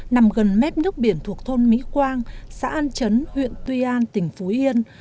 nằm gần mép nước biển thuộc thôn mỹ quang xã an chấn huyện tuy an tỉnh phú yên